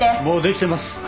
もうできてます。